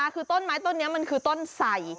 คือต้นไม้ต้นนี้มันคือต้นไส่